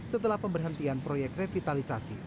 setelah pemberhentian proyek revitalisasi